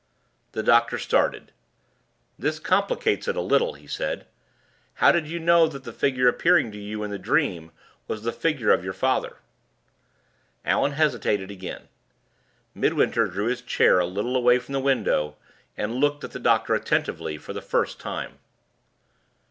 The doctor started. "This complicates it a little," he said. "How did you know that the figure appearing to you in the dream was the figure of your father?" Allan hesitated again. Midwinter drew his chair a little away from the window, and looked at the doctor attentively for the first time.